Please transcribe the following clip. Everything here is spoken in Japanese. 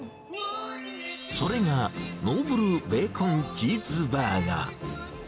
それが、ノーブル・ベーコン・チーズ・バーガー。